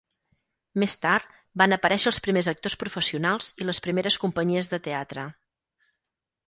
Més tard, van aparèixer els primers actors professionals i les primeres companyies de teatre.